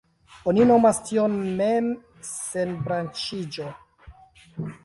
Oni nomas tion „mem-senbranĉiĝo“.